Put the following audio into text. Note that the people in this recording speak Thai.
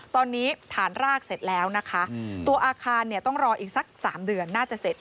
ตอนนี้ฐานรากเสร็จแล้วนะคะตัวอาคารเนี่ยต้องรออีกสัก๓เดือนน่าจะเสร็จ